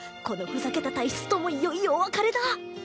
このふざけた体質ともいよいよお別れだ